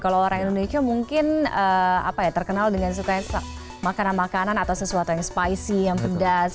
kalau orang indonesia mungkin terkenal dengan suka makanan makanan atau sesuatu yang spicy yang pedas